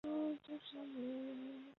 张凤翙人。